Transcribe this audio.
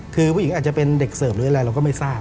คือผู้หญิงอาจจะเป็นเด็กเสิร์ฟหรืออะไรเราก็ไม่ทราบ